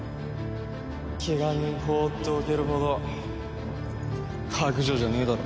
怪我人放っておけるほど薄情じゃねえだろ？